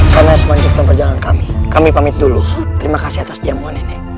karena semuanya penjualan kami kami pamit dulu terima kasih atas diam mbak nenek